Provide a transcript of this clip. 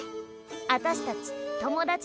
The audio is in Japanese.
あたしたち友達でしょ？